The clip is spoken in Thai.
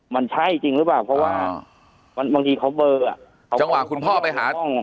มันใช่จริงหรือเปล่าเพราะว่ามันบางทีเขาเบอร์อ่ะจังหวะคุณพ่อไปหา